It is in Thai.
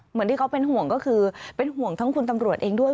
เหมือนที่เขาเป็นห่วงก็คือเป็นห่วงทั้งคุณตำรวจเองด้วย